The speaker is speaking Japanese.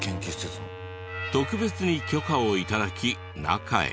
特別に許可を頂き中へ。